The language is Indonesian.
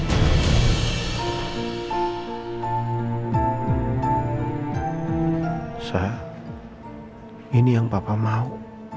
elsa ini yang papa mau